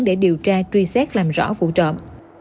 để điều tra truy xét làm rõ vụ trộm